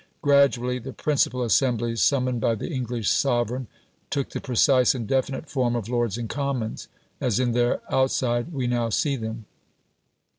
Gradually the principal assemblies summoned by the English sovereign took the precise and definite form of Lords and Commons, as in their outside we now see them.